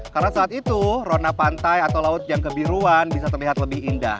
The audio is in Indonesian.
karena saat itu rona pantai atau laut yang kebiruan bisa terlihat lebih indah